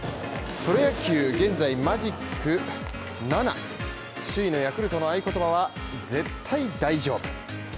プロ野球現在マジック７種類のヤクルトの合言葉は絶対大丈夫。